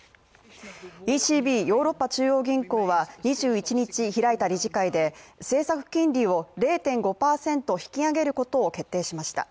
ＥＣＢ＝ヨーロッパ中央銀行は２１日開いた理事会で政策金利を０．５％引き上げることを決定しました。